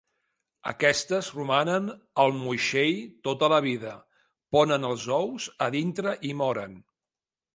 Aquestes romanen al moixell tota la vida, ponen els ous a dintre i moren.